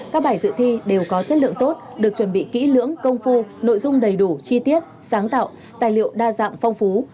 các bài dự thi đều có chất lượng tốt được chuẩn bị kỹ lưỡng công phu nội dung đầy đủ chi tiết sáng tạo tài liệu đa dạng phong phú